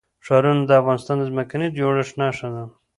ښارونه د افغانستان د ځمکې د جوړښت نښه ده.